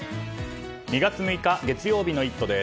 ２月６日、月曜日の「イット！」です。